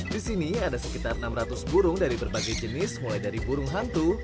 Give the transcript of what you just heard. di sini ada sekitar enam ratus burung dari berbagai jenis mulai dari burung hantu